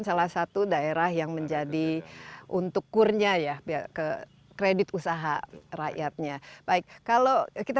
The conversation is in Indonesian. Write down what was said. salah satu daerah yang menjadi untuk kurnya ya biar ke kredit usaha rakyatnya baik kalau kita